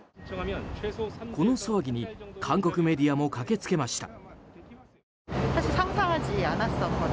この騒ぎに韓国メディアも駆け付けました。